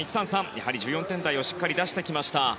やはり１４点台をしっかり出してきました。